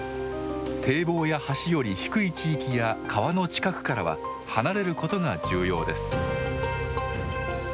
堤防や橋より低い地域や川の近くからは離れることが重要です。